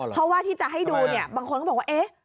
เพราะว่าที่จะให้ดูเนี่ยบางคนก็บอกว่าเอ๊ะ